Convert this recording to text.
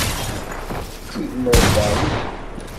Igmer ddaɛwessu.